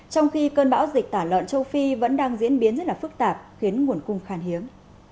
trong khi cơn bão dịch tả lợn châu phi vẫn đang diễn biến rất là phức tạp khiến nguồn cung khan hiếm